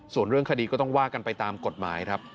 ส่วนเรื่องคดีก็ต้องว่ากันไปตามกฎหมายครับ